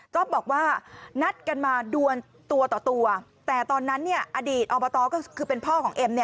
บอกว่านัดกันมาดวนตัวต่อตัวแต่ตอนนั้นอดีตอบตก็คือเป็นพ่อของเอ็ม